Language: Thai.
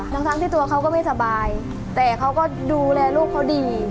ทั้งที่ตัวเขาก็ไม่สบายแต่เขาก็ดูแลลูกเขาดี